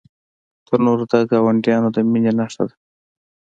تنور د ګاونډیانو د مینې نښانه ده